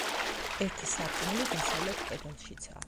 ერთი სარკმელი დასავლეთ კედელშიცაა.